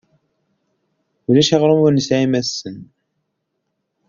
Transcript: Ulac aɣrum ur nesɛi imassen.